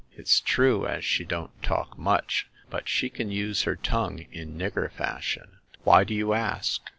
It's true as she don't talk much, but she can use her tongue in nigger fashion. Why do you ask?"